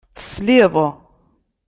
Tesliḍ.